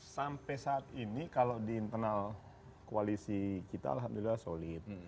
sampai saat ini kalau di internal koalisi kita alhamdulillah solid